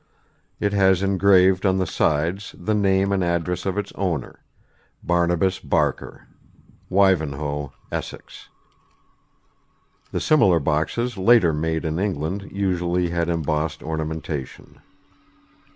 It has engraved on the sides the name and address of its owner "Barnabas Barker, Wyvenhoe, Essex." The similar boxes later made in England usually had embossed ornamentation.